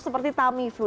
seperti tami flu